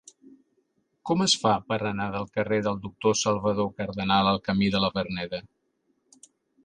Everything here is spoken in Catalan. Com es fa per anar del carrer del Doctor Salvador Cardenal al camí de la Verneda?